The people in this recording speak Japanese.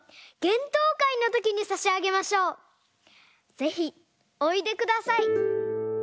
ぜひおいでください。